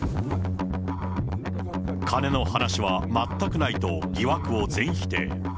金の話は全くないと、疑惑を全否定。